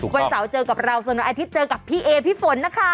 วันเสาร์เจอกับเราส่วนวันอาทิตย์เจอกับพี่เอพี่ฝนนะคะ